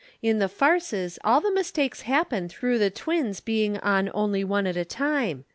In the farces all the mistakes happen through the twins being on only one at a time.